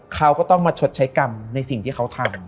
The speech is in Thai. เขาก็ต้องมาชดใช้กรรมในสิ่งที่เขาทำ